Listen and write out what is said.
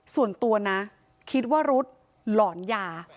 ส่วนตัวนะคิดว่ารุ๊ดหลอนยา